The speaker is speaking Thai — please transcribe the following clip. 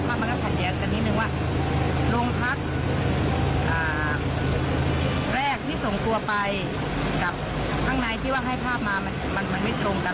มันก็ขัดแย้งกันนิดนึงว่าโรงพักแรกที่ส่งตัวไปกับข้างในที่ว่าให้ภาพมามันไม่ตรงกัน